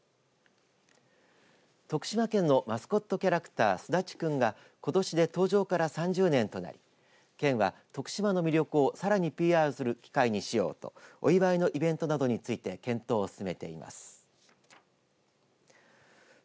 徳島県のマスコットキャラクターすだちくんがことしで登場から３０年となり県は徳島の魅力をさらにＰＲする機会にしようとお祝いのイベントなどについて検討を進めています。